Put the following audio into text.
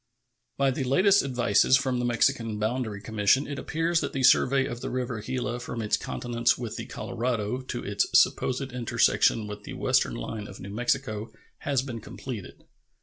By the latest advices from the Mexican boundary commission it appears that the survey of the river Gila from its continence with the Colorado to its supposed intersection with the western line of New Mexico has been completed.